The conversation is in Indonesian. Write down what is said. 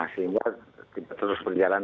sehingga kita terus berjalan